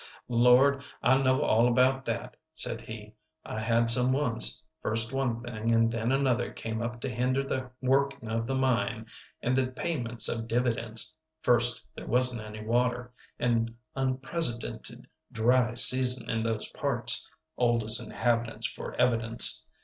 "Lord, I know all about that," said he. "I had some once. First one thing and then another came up to hinder the working of the mine and the payments of dividends. First there wasn't any water, an unprecedented dry season in those parts, oldest inhabitants for evidence.